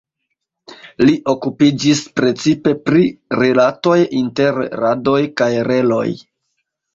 Li okupiĝis precipe pri rilatoj inter radoj kaj reloj.